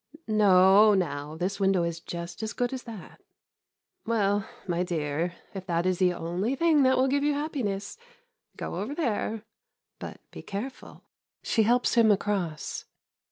No, now — this window is just as good as that Well — my dear, if that is the only thing that will give you happiness — go over there. But be careful. [She helps him across.